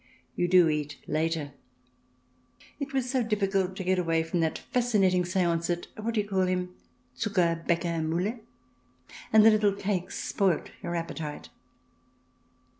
You do eat later ; it was so difficult to get away from that fasci nating seance at — what do you call him — Zucker bakker Muhle? — and the little cakes spoilt your appetite.